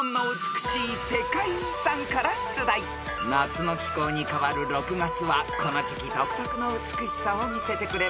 ［夏の気候に変わる６月はこの時季独特の美しさを見せてくれます］